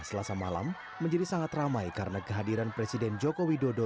selasa malam menjadi sangat ramai karena kehadiran presiden joko widodo